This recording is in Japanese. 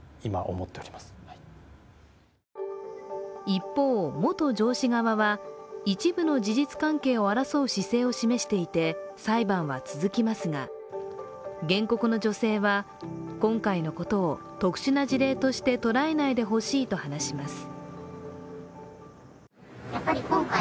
一方、元上司側は一部の事実関係を争う姿勢を示していて裁判は続きますが、原告の女性は今回のことを特殊な事例として捉えないでほしいと話します。